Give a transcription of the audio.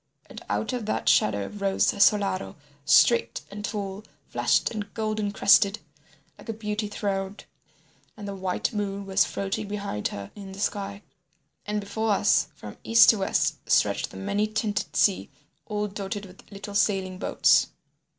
And out of that shadow rose Solaro straight and tall, flushed and golden crested, like a beauty throned, and the white moon was floating behind her in the sky. And before us from east to west stretched the many tinted sea all dotted with little sailing boats.